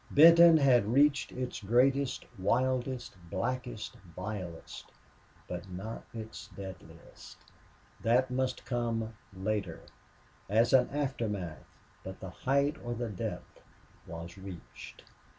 Benton had reached its greatest, wildest, blackest, vilest. But not its deadliest! That must come later as an aftermath. But the height or the depth was reached.